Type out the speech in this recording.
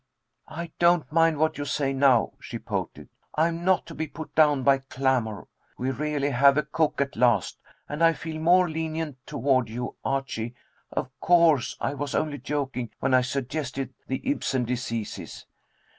"I don't mind what you say now," she pouted, "I am not to be put down by clamor. We really have a cook at last, and I feel more lenient toward you, Archie. Of course I was only joking when I suggested the Ibsen diseases.